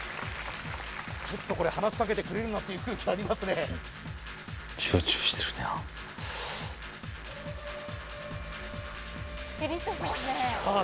ちょっとこれ話しかけてくれるなという空気ありますねさあ